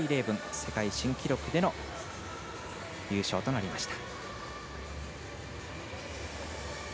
世界新記録での優勝となりました。